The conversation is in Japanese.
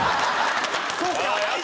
そうか。